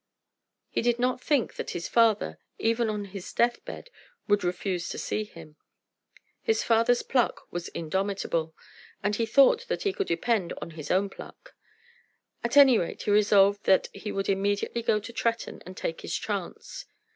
He did not think that his father, even on his death bed, would refuse to see him. His father's pluck was indomitable, and he thought that he could depend on his own pluck. At any rate he resolved that he would immediately go to Tretton and take his chance.